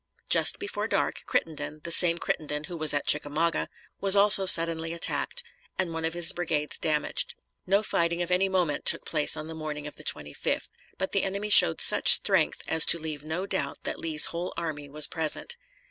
Just before dark Crittenden the same Crittenden who was at Chickamauga was also suddenly attacked, and one of his brigades damaged. No fighting of any moment took place on the morning of the 25th, but the enemy showed such strength as to leave no doubt that Lee's whole army was present.